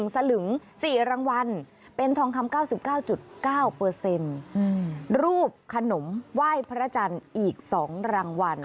สลึง๔รางวัลเป็นทองคำ๙๙๙๙๙รูปขนมไหว้พระจันทร์อีก๒รางวัล